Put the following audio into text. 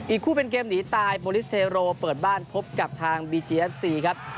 คู่เป็นเกมหนีตายโบลิสเทโรเปิดบ้านพบกับทางบีจีเอฟซีครับ